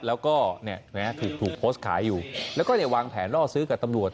แล้วก็ถูกโพสต์ขายอยู่แล้วก็วางแผนล่อซื้อกับตำรวจ